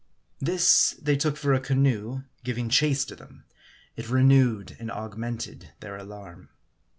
This they took for a canoe giving chase to them. It renewed and augmented their alarm.